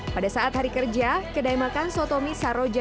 pada saat hari kerja kedai makan sotomi saroja